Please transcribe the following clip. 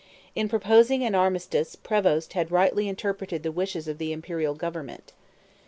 In proposing an armistice Prevost had rightly interpreted the wishes of the Imperial government.